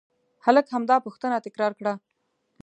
هلک همدا پوښتنه تکرار کړه.